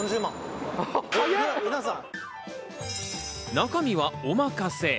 中身は、おまかせ。